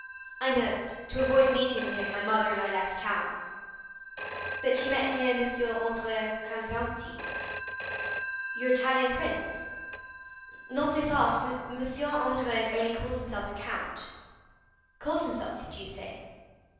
"I know it; to avoid meeting him, my mother and I left town." "But he met here M. Andrea Cavalcanti." "Your Italian prince?" "Not so fast; M. Andrea only calls himself count." "Calls himself, do you say?"